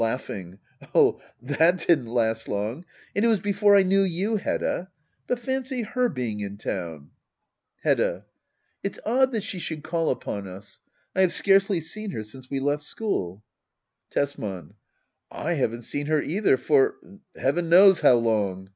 Oh^ that didn't last long ; and it was before I knew you^ Hedda. But fancy her being in town ! Digitized by Google ACT I.] HEDDA OABLER. 29 Hedda. It's odd that she should call upon us. I have scarcely seen her since we left school Tesman. I haven't seen her either for — heaven knows how long.